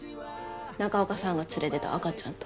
中岡さんが連れてた赤ちゃんと。